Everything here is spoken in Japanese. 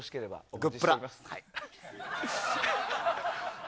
グップラ！